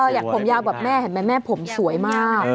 อยากผมยาวแบบแม่แม่ผมสวยมาก